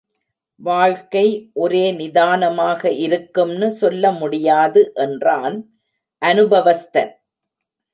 வாழ்க்கை ஒரே நிதானமாக இருக்கும்னு சொல்ல முடியாது என்றான் அனுபவஸ்தன்.